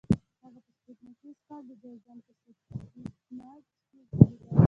هغه په سپوږمیز کال د جوزجان په سفید نج کې زیږېدلی.